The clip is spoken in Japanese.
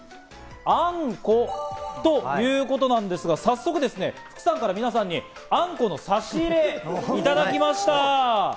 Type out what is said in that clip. あんこということなんですが早速ですね、福さんから皆さんにあんこの差し入れをいただきました。